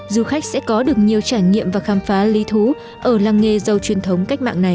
du khách sẽ có được nhiều trải nghiệm và khám phá lý thú ở làng nghề giàu truyền thống cách mạng này